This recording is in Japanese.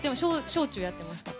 小中やってました。